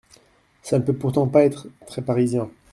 Ça ne peut pourtant pas être très parisien…